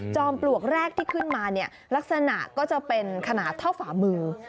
ปลวกแรกที่ขึ้นมาเนี่ยลักษณะก็จะเป็นขนาดเท่าฝามือ